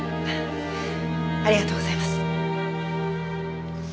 ありがとうございます。